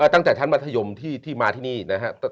ตั้งแต่ชั้นมัธยมที่มาที่นี่นะครับ